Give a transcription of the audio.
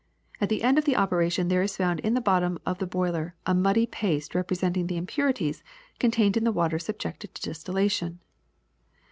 At the end of the operation there is found in the bot tom of the boiler a muddy paste representing the im purities contained in the water subjected to distil lation.